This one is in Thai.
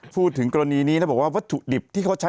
พูดถึงกรณีนี้นะบอกว่าวัตถุดิบที่เขาใช้